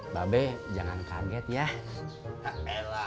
tapi jangan kaget ya